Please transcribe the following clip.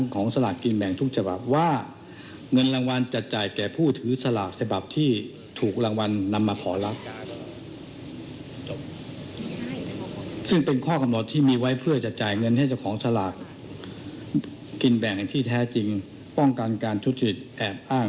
กินแบ่งอย่างที่แท้จริงป้องกันการชุดสิทธิ์แอบอ้าง